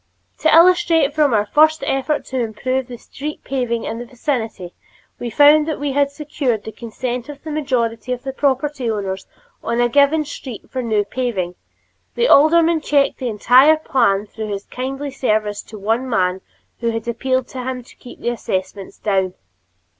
To illustrate from our first effort to improve the street paving in the vicinity, we found that when we had secured the consent of the majority of the property owners on a given street for a new paving, the alderman checked the entire plan through his kindly service to one man who had appealed to him to keep the assessments down.